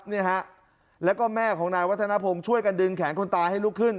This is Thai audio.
นี่ฮะแล้วก็แม่ของนายวัฒนภงช่วยกันดึงแขนคนตายให้ลุกขึ้น